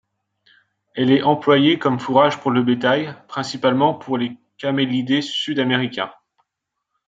Elle est employée comme fourrage pour le bétail, principalement pour les camélidés sudaméricains.